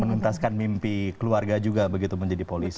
menuntaskan mimpi keluarga juga begitu menjadi polisi